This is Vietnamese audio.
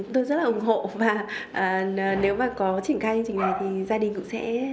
tôi rất là ủng hộ và nếu mà có chỉnh khai như trình này thì gia đình cũng sẽ